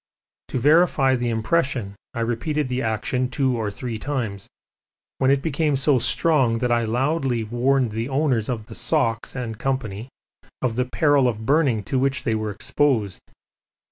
To verify the impression I repeated the action two or three times, when it became so strong that I loudly warned the owners of the socks, &c., of the peril of burning to which they were exposed.